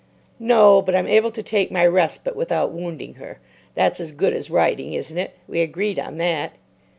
"No; but I'm able to take my respite without wounding her. That's as good as writing, isn't it? We agreed on that."